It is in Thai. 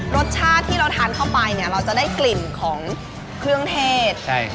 รสชาติที่ทำเข้าไปจะได้กลิ่นของเครื่องเทศ